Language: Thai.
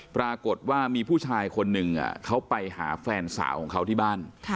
ปรากฏว่ามีผู้ชายคนหนึ่งเขาไปหาแฟนสาวของเขาที่บ้าน